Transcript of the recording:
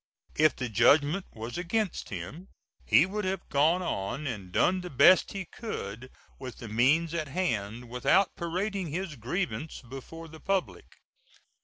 If the judgment was against him he would have gone on and done the best he could with the means at hand without parading his grievance before the public.